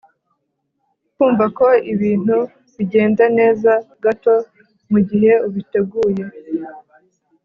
kumva ko ibintu bigenda neza gato mugihe ubiteguye